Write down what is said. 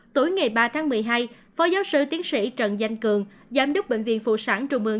tối ngày ba tháng một mươi hai phó giáo sư tiến sĩ trần danh cường giám đốc bệnh viện phụ sản trung ương